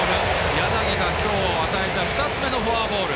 柳が今日、与えた２つ目のフォアボール。